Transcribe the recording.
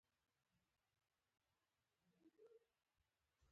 هغې د ژور اوازونو ترڅنګ د زړونو ټپونه آرام کړل.